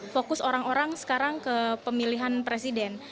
fokus orang orang sekarang ke pemilihan presiden